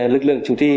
lực lượng chủ trì